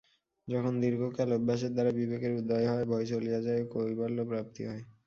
যখন দীর্ঘকাল অভ্যাসের দ্বারা বিবেকর উদয় হয়, ভয় চলিয়া যায় ও কৈবল্যপ্রাপ্তি হয়।